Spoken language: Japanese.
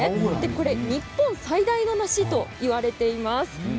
日本最大の梨といわれています。